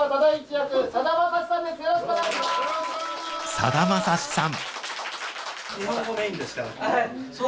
さだまさしさん